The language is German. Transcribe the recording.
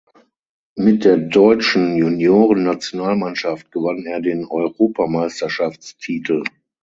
Mit der deutschen Juniorennationalmannschaft gewann er den Europameisterschaftstitel.